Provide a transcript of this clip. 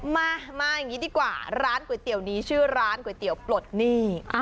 มามาอย่างนี้ดีกว่าร้านก๋วยเตี๋ยวนี้ชื่อร้านก๋วยเตี๋ยวปลดหนี้